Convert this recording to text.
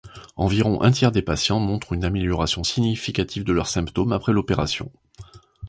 Environ un tiers des patients montrent une amélioration significative de leurs symptômes après l'opération.